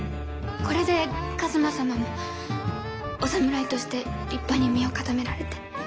これで一馬様もお侍として立派に身を固められて。